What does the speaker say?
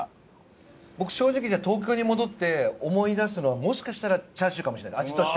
僕正直東京に戻って思い出すのはもしかしたらチャーシューかもしれない味として。